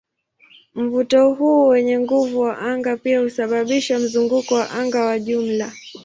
Mvuto huu wenye nguvu wa anga pia husababisha mzunguko wa anga wa jumla.